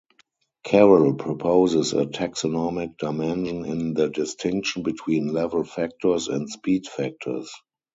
Carroll proposes a taxonomic dimension in the distinction between level factors and speed factors.